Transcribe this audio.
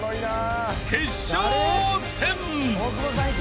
［決勝戦］